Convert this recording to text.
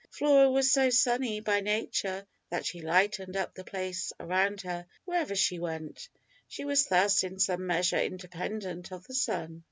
Flora was so sunny by nature that she lightened up the place around her wherever she went; she was thus in some measure independent of the sun.